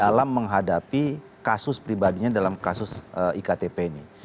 dalam menghadapi kasus pribadinya dalam kasus iktp ini